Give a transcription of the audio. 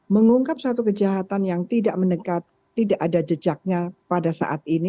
mengungkap suatu kejahatan yang tidak mendekat tidak ada jejaknya pada saat ini